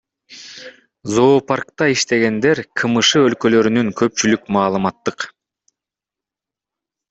Зоопаркта иштегендер, КМШ өлкөлөрүнүн көпчүлүк маалыматтык